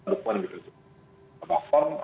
dukungan yang lebih terdiri